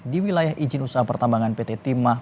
di wilayah izin usaha pertambangan pt timah